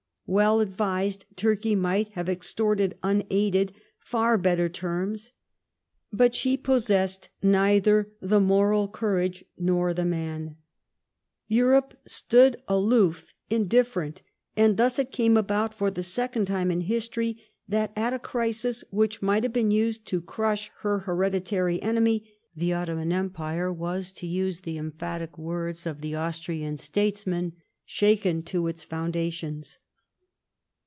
Well advised, Turkey might have extorted, unaided, far better terms. But she possessed neither the moral courage nor the man. Europe stood aloof, indifferent; and thus it came about, for the second time in history, that, at a crisis which might have been used to crush her herediatry enemy, the Ottoman Empire was, to use the emphatic 170 LIFE OF PBINCE METTERNICE. words of the Austrian statesman, "shaken to its founda tions."